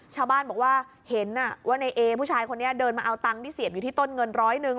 ชาวบ้านบอกว่าเห็นว่าในเอผู้ชายคนนี้เดินมาเอาตังค์ที่เสียบอยู่ที่ต้นเงินร้อยหนึ่ง